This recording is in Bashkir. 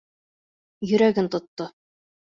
Йөрәген тотто.